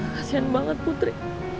kasian banget putri